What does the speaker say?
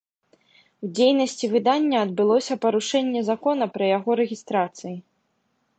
У дзейнасці выдання адбылося парушэнне закона пры яго рэгістрацыі.